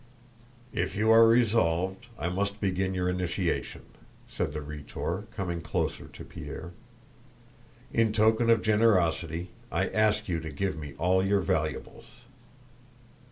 "If you are resolved, I must begin your initiation," said the Rhetor coming closer to Pierre. "In token of generosity I ask you to give me all your valuables."